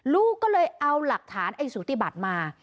ลูกก็เลยเอาหลักฐานไอ้สูติบัติมา